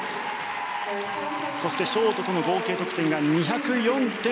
そして、ショートとの合計得点が２０４．１４。